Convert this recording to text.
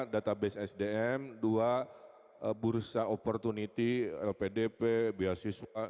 database sdm dua bursa opportunity lpdp beasiswa